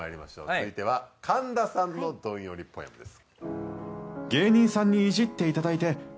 続いては神田さんのどんよりポエムです。